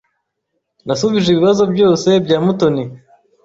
Nasubije ibibazo byose bya Mutoni.